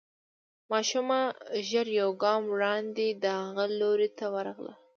ماشومه ژر يو ګام وړاندې د هغه لوري ته ورغله.